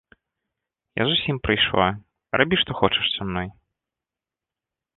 Я зусім прыйшла, рабі што хочаш са мной.